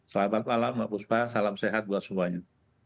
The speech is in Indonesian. selamat malam mbak puspa salam sehat buat semuanya